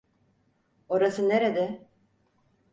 Orası nerede?